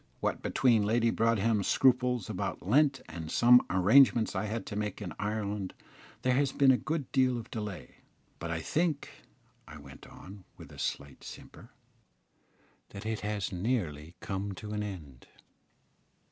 What between Lady Broadhem's scruples about Lent and some arrangements I had to make in Ireland, there has been a good deal of delay, but I think," I went on, with a slight simper, "that it has nearly come to an end."